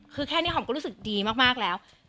คือแค่นี้หอมก็รู้สึกดีมากแล้ว